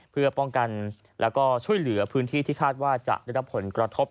เพื่อป้องกันแล้วก็ช่วยเหลือพื้นที่ที่คาดว่าจะได้รับผลกระทบ